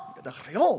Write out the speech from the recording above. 「だからよ